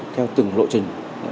theo từng lộ trình